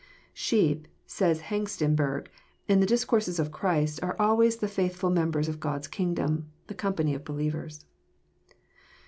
" Sheep," says Hengstenberg, " in the discourses of Christ, are always the faithM members of Grod*s kingdom, the company of believers.